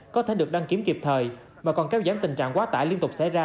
có thể được đăng kiểm kịp thời mà còn kéo giảm tình trạng quá tải liên tục xảy ra